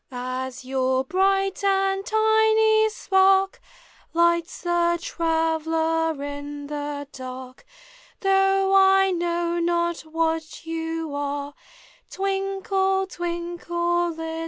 As your bright and tiny spark Lights the traveller in the dark, Though 1 know not what you are, Twinkle, twinkle, little star!